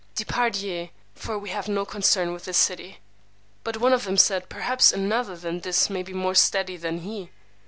Depart ye; for we have no concern with this city. But one of them said, Perhaps another than this may be more steady than he.